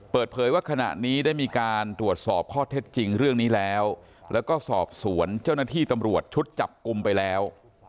เปิดเผยว่าขณะนี้ได้มีการตรวจสอบข้อเท็จจริงเรื่องนี้แล้วแล้วก็สอบสวนเจ้าหน้าที่ตำรวจชุดจับกลุ่มไปแล้ว